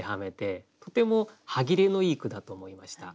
とても歯切れのいい句だと思いました。